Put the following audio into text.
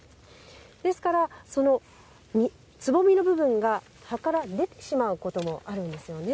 ですから、そのつぼみの部分が葉から出てしまうこともあるんですよね。